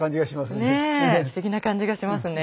不思議な感じがしますね。